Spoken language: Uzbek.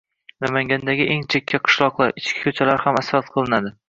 Namangandagi eng chekka qishloqlar, ichki ko‘chalar ham asfalt qilinadi